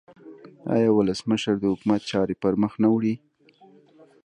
آیا ولسمشر د حکومت چارې پرمخ نه وړي؟